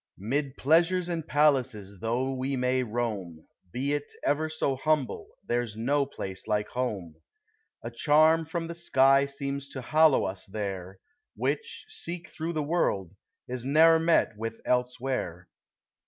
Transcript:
Mm pleasures and palaces though we may roam. Be it ever so humble, there's no place like home; A charm from the sky seems to hallow us there, Which, seek through the world, is ne'er met with elsewhere.